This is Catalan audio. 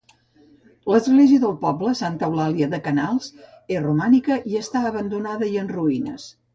L'església del poble, Santa Eulàlia de Canals, és romànica i està abandonada i en ruïnes.